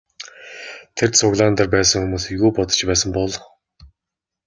Тэр цуглаан дээр байсан хүмүүс юу бодож байсан бол?